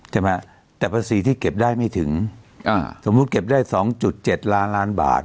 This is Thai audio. ใช่ไหมแต่ภาษีที่เก็บได้ไม่ถึงอ่าสมมุติเก็บได้สองจุดเจ็ดล้านล้านบาท